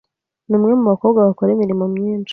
ni umwe mu bakobwa bakora imirimo myinshi